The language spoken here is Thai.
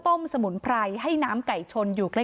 นางศรีพรายดาเสียยุ๕๑ปี